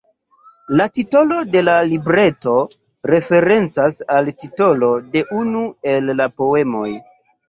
La titolo de la libreto referencas al titolo de unu el la poemoj.